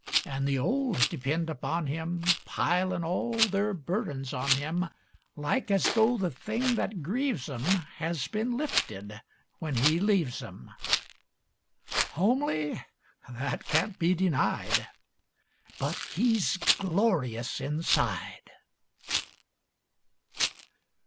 An' the old depend upon him, Pilin' all their burdens on him, Like as though the thing that grieves 'em Has been lifted when he leaves 'em. Homely? That can't be denied. But he's glorious inside.